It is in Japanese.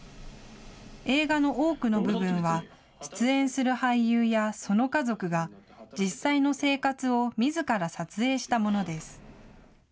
映画の多くの部分は出演する俳優やその家族が実際の生活をみずから撮影したものです。